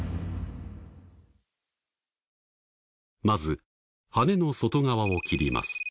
まず羽の外側を切ります